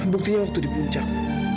buktinya waktu di puncak